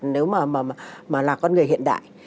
nếu mà là con người hiện đại